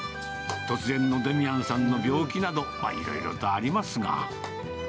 突然のデミアンさんの病気など、まあ、いろいろとありますが。